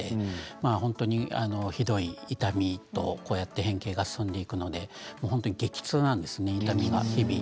本当にひどい痛みと変形が進んでいくので激痛なんですね、痛みが日々。